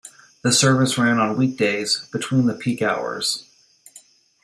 The service ran on weekdays between the peak hours.